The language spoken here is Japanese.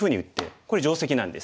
これ定石なんです。